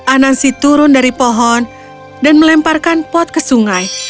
anansi turun dari pohon dan melemparkan pot ke sungai